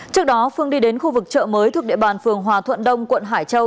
trước đó phương đi đến khu vực chợ mới thuộc địa bàn phường hòa thuận đông quận hải châu